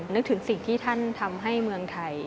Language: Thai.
นึกถึงสิ่งที่ท่านทำให้เมืองไทย